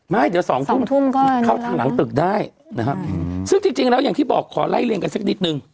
ไม่เดี๋ยวสองทุ่มเข้าทางหลังตึกได้นะฮะซึ่งจริงจริงแล้วอย่างที่บอกขอไล่เรียนกันสักนิดหนึ่ง